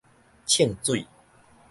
衝水